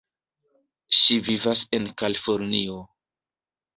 Ŝi vivas en Kalifornio.